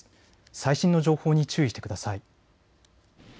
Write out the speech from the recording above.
最新の情報に注意してください。